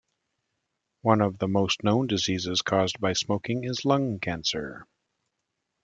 One of the most known diseases caused by smoking is lung cancer.